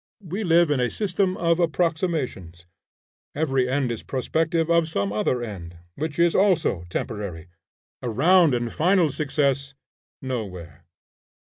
We live in a system of approximations. Every end is prospective of some other end, which is also temporary; a round and final success nowhere.